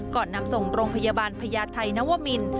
ก่อนนำส่งโรงพยาบาลพญาไทยนวมิน